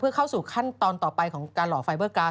เข้าสู่ขั้นตอนต่อไปของการหล่อไฟเบอร์กราฟ